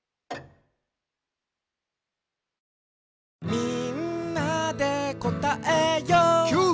「みんなでこたえよう」キュー！